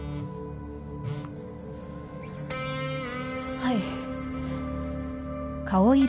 はい。